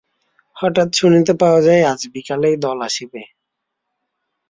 হঠাৎ শুনিতে পাওয়া যায় আজ বিকালেই দল আসিবে।